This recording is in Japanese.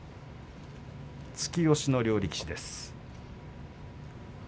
突き押しの両力士。